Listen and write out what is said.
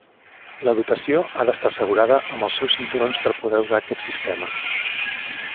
La dotació ha d'estar assegurada amb els seus cinturons per poder usar aquest sistema.